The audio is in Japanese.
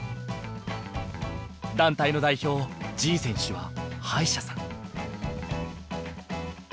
団体の代表Ｇ選手は歯医者さん。